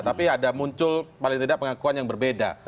tapi ada muncul paling tidak pengakuan yang berbeda